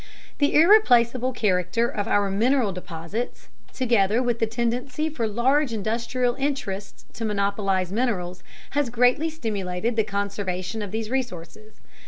The irreplaceable character of our mineral deposits, together with the tendency for large industrial interests to monopolize minerals. has greatly stimulated the conservation of these resources.